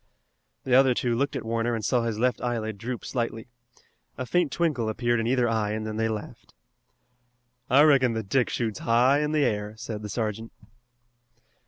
The other two looked at Warner and saw his left eyelid droop slightly. A faint twinkle appeared in either eye and then they laughed. "I reckon that Dick shoots high in the air," said the sergeant.